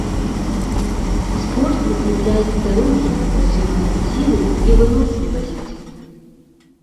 Спорт укрепляет здоровье, развивает силу и выносливость.